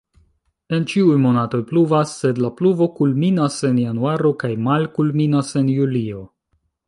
En ĉiuj monatoj pluvas, sed la pluvo kulminas en januaro kaj malkulminas en julio.